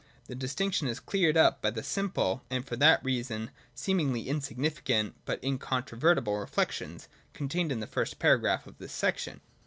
The distinction is cleared up by the simple, and for that reason seemingly insignificant, but incontrovertible reflections, contained in the first para graph of this section.